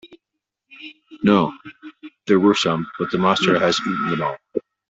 No; there were some, but the monster has eaten them all.